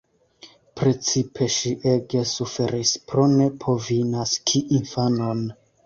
Precipe ŝi ege suferis pro ne povi naski infanon.